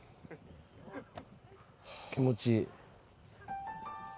気持ちいい。